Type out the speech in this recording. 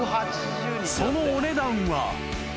［そのお値段は］